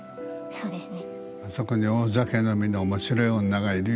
そうですね。